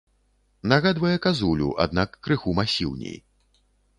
Нагадвае казулю, аднак крыху масіўней.